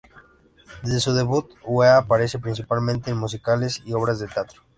Desde su debut, Ueda aparece principalmente en musicales y obras de teatro.